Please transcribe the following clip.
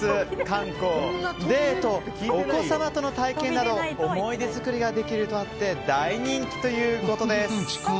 観光、デートお子様との体験など思い出作りができるとあって大人気ということです。